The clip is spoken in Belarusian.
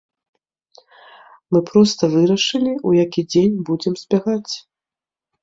Мы проста вырашылі, у які дзень будзем збягаць.